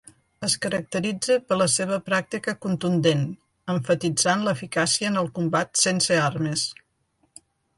Es caracteritza per la seva pràctica contundent, emfatitzant l'eficàcia en el combat sense armes.